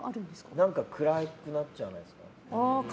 何か暗くなっちゃわないですか？